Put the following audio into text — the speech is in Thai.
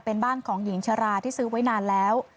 เป็นบ้านของหญิงชราที่ซื้อไว้นานแล้ว